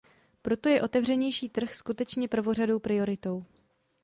Proto je otevřenější trh skutečně prvořadou prioritou.